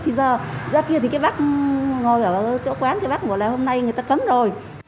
thì giờ ra kia thì cái bác ngồi ở chỗ quán cái bác bảo là hôm nay người ta cấm rồi